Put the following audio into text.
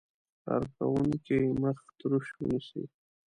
کارکوونکی مخ تروش ونیسي.